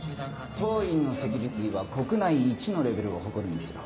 当院のセキュリティーは国内一のレベルを誇るんですよ。